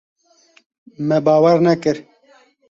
Me bawer nekir.